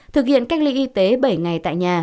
thực hiện cách ly y tế bảy ngày tại nhà